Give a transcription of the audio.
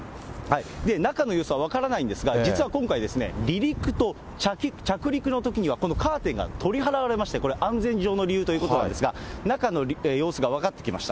中の様子は分からないんですが、実は今回、離陸と着陸のときには、このカーテンが取り払われまして、安全上の理由ということなんですが、中の様子が分かってきました。